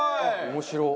面白っ！